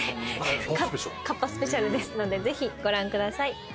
カッパスペシャルですのでぜひご覧ください。